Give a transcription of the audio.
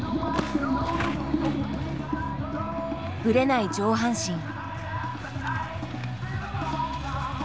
ぶれない上半身。